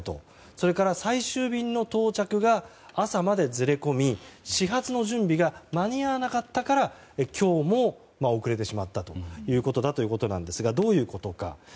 それから最終便の到着が朝までずれ込み、始発の準備が間に合わなかったから今日も遅れてしまったということなんですがどういうことか。